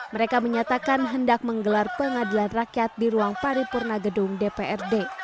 mereka menyatakan hendak menggelar pengadilan rakyat di ruang paripurna gedung dprd